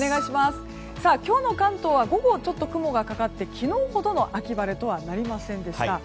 今日の関東は午後、ちょっと雲がかかって昨日ほどの秋晴れとはなりませんでした。